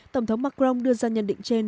tổng thống macron đưa ra nhận định trên